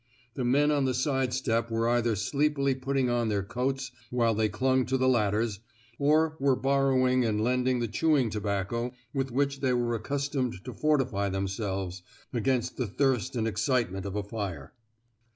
The men on the side step were either sleepily putting on their coats while they clung to the ladders, or were borrowing and lending the chewing tobacco with which they were accustomed to fortify themselves against the thirst and excitement of a fire.